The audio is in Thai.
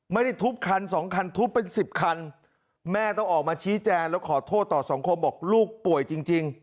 ไม่ได้ทุบคันสองคันทุบเป็นสิบคันแม่ต้องออกมาชี้แจงแล้วขอโทษต่อสังคมบอกลูกป่วยจริงจริง